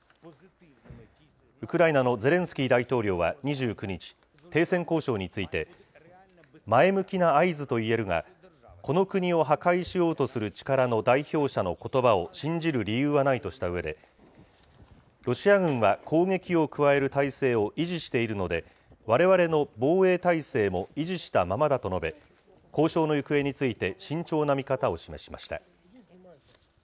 ウクライナのゼレンスキー大統領は２９日、停戦交渉について、前向きな合図といえるが、この国を破壊しようとする力の代表者のことばを信じる理由はないとしたうえで、ロシア軍は攻撃を加える態勢を維持しているので、われわれの防衛態勢も維持したままだと述べ、交渉の行方について、慎重な見方を示しました。